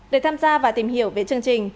để tham gia và tìm hiểu về chương trình